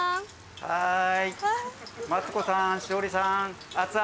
はい